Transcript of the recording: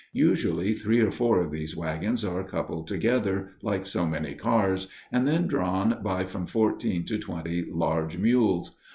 Usually three or four of these wagons are coupled together, like so many cars, and then drawn by from fourteen to twenty large mules.